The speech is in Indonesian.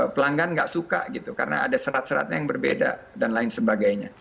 pelanggan nggak suka gitu karena ada serat seratnya yang berbeda dan lain sebagainya